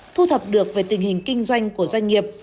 thu thập được về tình hình kinh doanh của doanh nghiệp